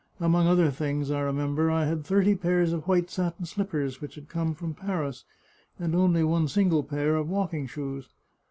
Among other things, I remember, I had thirty pairs of white satin slippers which had come from Paris, and only one single pair of walking shoes.